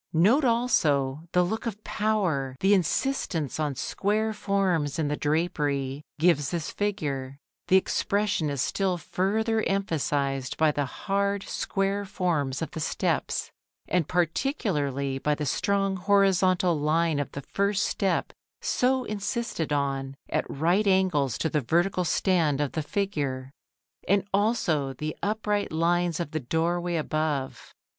Note also the look of power the insistence on square forms in the drapery gives this figure. The expression is still further emphasised by the hard square forms of the steps, and particularly by the strong horizontal line of the first step so insisted on, at right angles to the vertical stand of the figure; and also the upright lines of the doorway above.